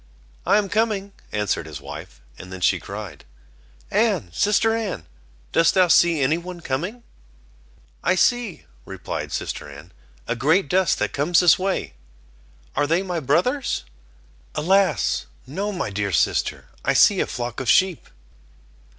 "I am coming," answered his wife; and then she cried: "Anne, sister Anne, dost thou see any one coming?" "I see," replied sister Anne, "a great dust that comes this way." "Are they my brothers?" "Alas! no, my dear sister, I see a flock of sheep."